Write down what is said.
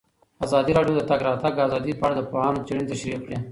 ازادي راډیو د د تګ راتګ ازادي په اړه د پوهانو څېړنې تشریح کړې.